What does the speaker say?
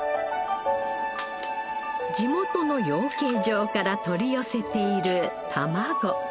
地元の養鶏場から取り寄せている